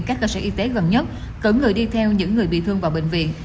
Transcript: các cơ sở y tế gần nhất cấm người đi theo những người bị thương vào bệnh viện